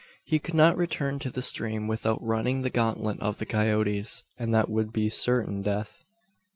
He could not return to the stream, without running the gauntlet of the coyotes, and that would be certain death.